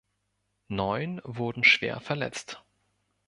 Neun wurden schwer verletzt.